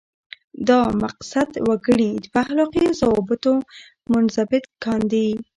دا مقصد وګړي په اخلاقي ضوابطو منضبط کاندي.